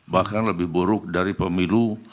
bahkan lebih buruk dari pemilu